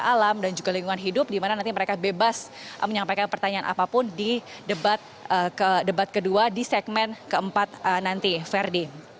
alam dan juga lingkungan hidup dimana nanti mereka bebas menyampaikan pertanyaan apapun di debat kedua di segmen keempat nanti ferdi